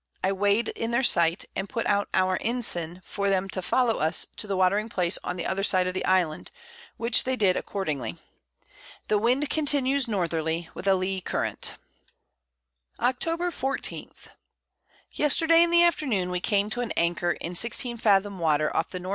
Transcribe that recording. I weigh'd in their sight, and put out our Ensign for 'em to follow us to the Watering Place on the other side of the Island, which they did accordingly. The Wind continues Northerly, with a Lee Current. Octob. 14. Yesterday in the Afternoon we came to an Anchor in 16 Fathom Water off the N. E.